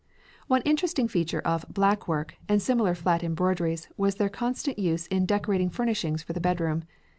One interesting feature of "black work" and similar flat embroideries was their constant use in decorating furnishings for the bedroom.